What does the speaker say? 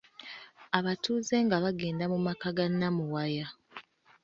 Abatuuze nga bagenda mu maka ga Namuwaya.